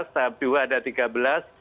tahap dua ada tiga belas